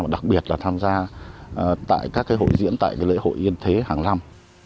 đặc biệt là tham gia tại các hội diễn tại lễ hội yên thế hàng năm